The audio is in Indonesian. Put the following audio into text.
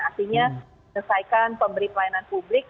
artinya selesaikan pemberi pelayanan publik